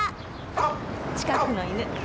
近くの犬。